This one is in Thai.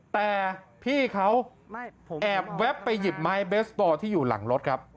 แต่พี่เขาแอบแวบไปหยิบไม้เบสบอลที่อยู่หลังรถครับ